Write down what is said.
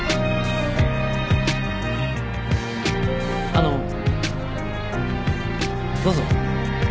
あのどうぞ。